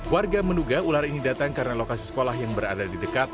warga menduga ular ini datang karena lokasi sekolah yang berada di dekat